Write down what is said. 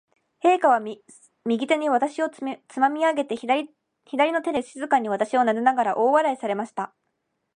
陛下は、右手に私をつまみ上げて、左の手で静かに私をなでながら、大笑いされました。